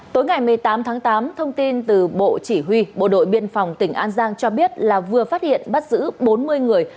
tối ngày một mươi tám tháng tám thông tin từ bộ chỉ huy bộ đội biên phòng tỉnh an giang cho biết là vừa phát hiện bắt giữ bốn mươi người